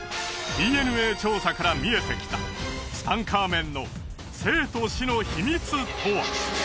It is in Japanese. ＤＮＡ調査から見えてきたツタンカーメンの生と死の秘密とは？